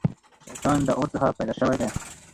شيطان د اور څخه پيدا سوی دی